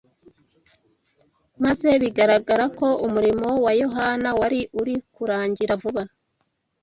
maze bigaragara ko umurimo wa Yohana wari uri kurangira vuba